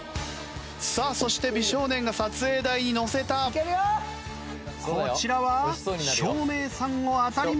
さあそして美少年が撮影台にのせた。